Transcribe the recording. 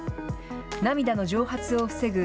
涙の蒸発を防ぐ